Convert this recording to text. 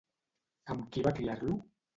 Amb qui va criar-lo?